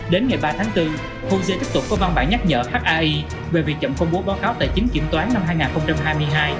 đến ngày ba tháng bốn hồ tiếp tục có văn bản nhắc nhở hi về việc chậm công bố báo cáo tài chính kiểm toán năm hai nghìn hai mươi hai